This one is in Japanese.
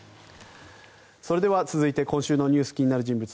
それでは続いて今週のニュース気になる人物